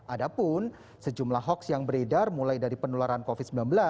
ada pun sejumlah hoax yang beredar mulai dari penularan covid sembilan belas